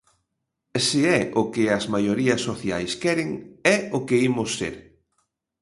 Se é o que as maiorías sociais queren é o que imos ser.